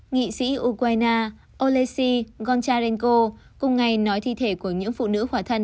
nghị sĩ ukraine olesy goncharenko cùng ngày nói thi thể của những phụ nữ khỏa thân